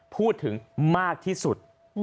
พูดถึงมากที่สุด